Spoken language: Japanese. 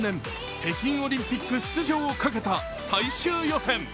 北京オリンピック出場をかけた最終予選。